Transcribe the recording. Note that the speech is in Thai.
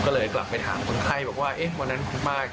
ก็เลยกลับไปถามคนไข้บอกว่าเอ๊ะวันนั้นคุณป้า